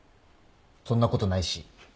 そんなことないし。